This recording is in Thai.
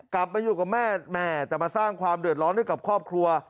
กลับมาอยู่กับแม่แม่แต่มาสร้างความเดือดร้อนให้กับครอบครัว